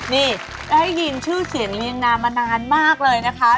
นี่ได้ยินชื่อเสียงเรียงนามานานมากเลยนะคะ